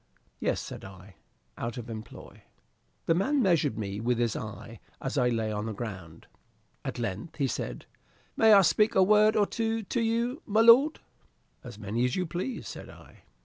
"Yes," said I, "out of employ." The man measured me with his eye as I lay on the ground. At length he said, "May I speak a word or two to you, my lord?" "As many as you please," said I.